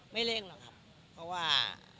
เร่งหรอกครับเพราะว่า